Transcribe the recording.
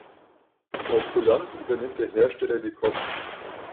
Aus Kulanz übernimmt der Hersteller die Kosten.